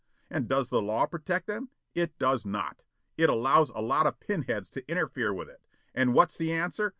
And does the law protect them? It does not. It allows a lot of pinheads to interfere with it, and what's the answer?